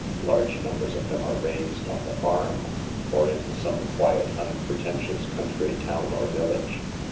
Large numbers of them are raised on the farm, or in some quiet, unpretentious country town or village.